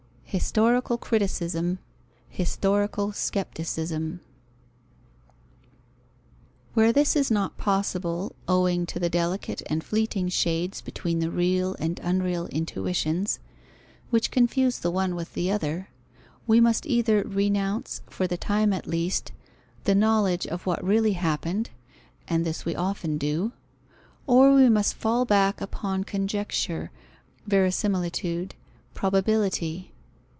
Historical criticism. Historical scepticism. Where this is not possible, owing to the delicate and fleeting shades between the real and unreal intuitions, which confuse the one with the other, we must either renounce, for the time at least, the knowledge of what really happened (and this we often do), or we must fall back upon conjecture, verisimilitude, probability.